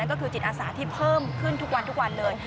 ก็คือจิตอาสาที่เพิ่มขึ้นทุกวันทุกวันเลย